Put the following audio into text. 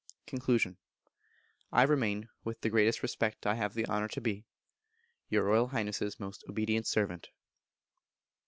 Con. I remain, with the greatest respect (I have the honour to be), your Royal Highness's most obedient servant.